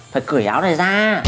phải cửi áo này ra